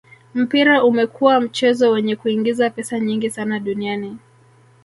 mpira umekua mchezo wenye kuingiza pesa nyingi sana duniani